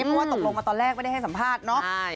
เพราะว่าตกลงมาตอนแรกไม่ได้ให้สัมภาษณ์เนาะ